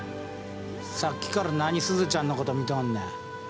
さっきから何すずちゃんのこと見とんねん。